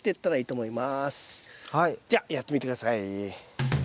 じゃあやってみて下さい。